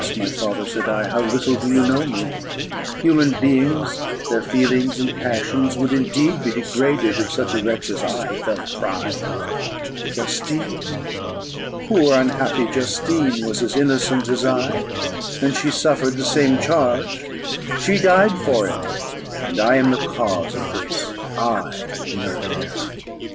my father," said I, "how little do you know me. Human beings, their feelings and passions, would indeed be degraded if such a wretch as I felt pride. Justine, poor unhappy Justine, was as innocent as I, and she suffered the same charge; she died for it; and I am the cause of this I murdered her.